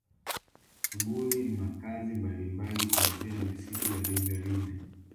Shughuli makazi mbalimbali kuanzia misitu ya riverine